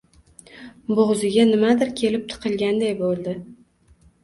Bo‘g‘ziga nimadir kelib tiqilganday bo‘ldi.